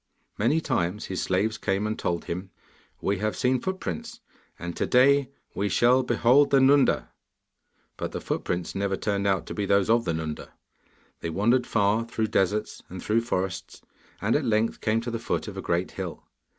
Many times his slaves came and told him, 'We have seen footprints, and to day we shall behold the Nunda.' But the footprints never turned out to be those of the Nunda. They wandered far through deserts and through forests, and at length came to the foot of a great hill.